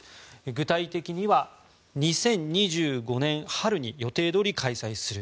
具体的には２０２５年春に予定どおり開催する。